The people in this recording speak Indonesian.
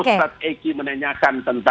ustadz eki menanyakan tentang